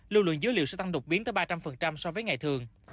lưu lượng dữ liệu sẽ tăng đột biến tới ba trăm linh so với ngày thường